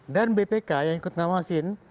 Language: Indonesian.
dan bpk yang ikut menawarkan